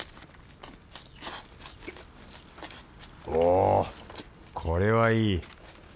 おおこれはいい！